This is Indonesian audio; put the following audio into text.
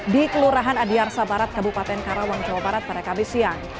di kelurahan adiar sabarat kabupaten karawang jawa barat barakabesian